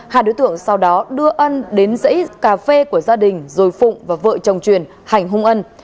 hai đối tượng sau đó đưa ân đến dãy cà phê của gia đình rồi phụng và vợ chồng truyền hành hung ân